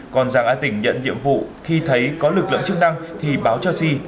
còn rằng a tỉnh nhận nhiệm vụ khi thấy có lực lượng chức năng thì báo cho si